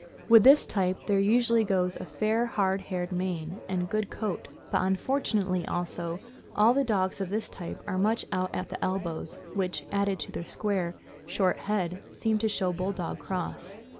With this type there usually goes a fair, hard haired mane and good coat; but unfortunately, also, all the dogs of this type are much out at the elbows, which, added to their square, short head, seems to show Bulldog cross.